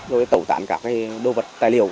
rồi tẩu tản các đồ vật tài liệu